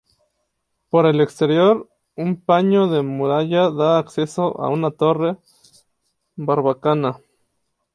Por el exterior, un paño de muralla da acceso a una torre barbacana.